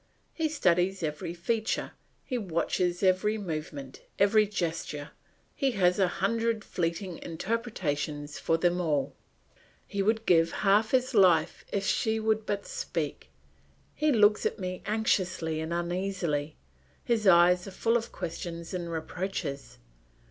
He studies every feature, he watches every movement, every gesture; he has a hundred fleeting interpretations for them all; he would give half his life if she would but speak. He looks at me anxiously and uneasily; his eyes are full of questions and reproaches.